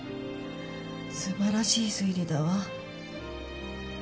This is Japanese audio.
素晴らしい推理だわ。